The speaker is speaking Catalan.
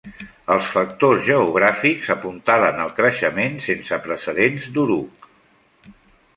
Els factors geogràfics apuntalen el creixement sense precedents d'Uruk.